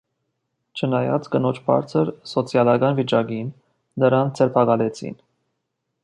Չնայած կնոջ բարձր սոցիալական վիճակին, նրան ձերբակալեցին։